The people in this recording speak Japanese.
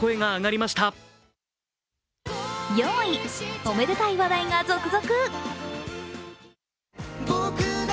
おめでたい話題が続々。